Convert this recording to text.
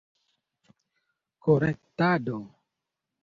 korektado